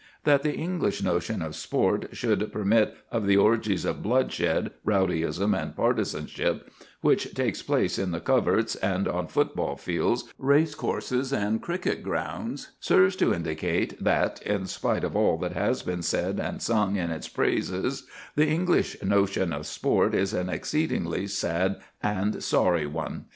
That the English notion of sport should permit of the orgies of bloodshed, rowdyism, and partisanship which take place in the coverts and on football fields, race courses, and cricket grounds serves to indicate that, in spite of all that has been said and sung in its praises, the English notion of sport is an exceedingly sad and sorry one.